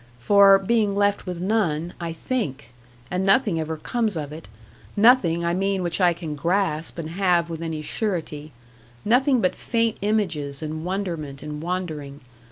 For, being left with none I think; and nothing ever comes of it. Nothing, I mean, which I can grasp and have with any surety; nothing but faint images, and wonderment, and wandering.